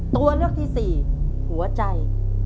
ตัวเลือกที่๔หัวใจ